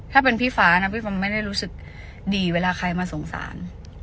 ถ้าเป็นพี่ฟ้านะพี่ฟอมไม่ได้รู้สึกดีเวลาใครมาสงสาร